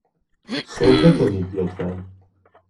سرفه کنید، لطفاً.